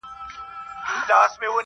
• په سبب د لېونتوب دي پوه سوم یاره..